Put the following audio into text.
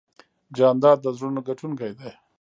جانداد د زړونو ګټونکی دی.